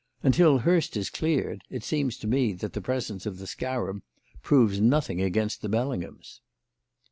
Until Hurst is cleared, it seems to me that the presence of the scarab proves nothing against the Bellinghams."